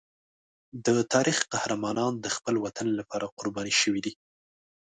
د تاریخ قهرمانان د خپل وطن لپاره قربان شوي دي.